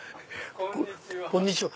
こんにちは。